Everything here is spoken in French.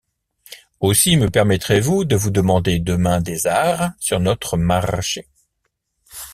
Aussi me permettrez-vous de vous demander demain des arrhes sur notre marché...